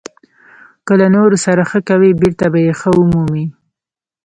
• که له نورو سره ښه کوې، بېرته به یې ښه ومومې.